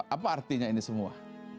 apa artinya ini semua